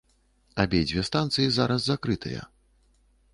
Абедзве станцыі зараз закрытыя.